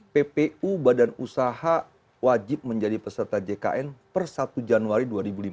ppu badan usaha wajib menjadi peserta jkn per satu januari dua ribu lima belas